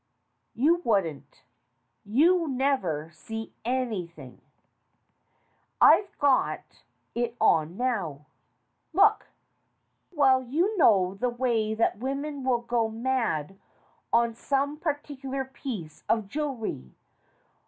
"You wouldn't. You never see anything. I've got it on now. Look. Well, you know the way that women will go mad on some particular piece of jew elry.